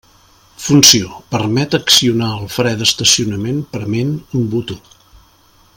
Funció: permet accionar el fre d'estacionament prement un botó.